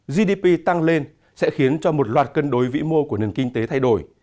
gdp tăng lên sẽ khiến cho một loạt cân đối vĩ mô của nền kinh tế thay đổi